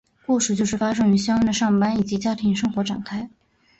故事就是发生于肖恩的上班以及家庭生活展开。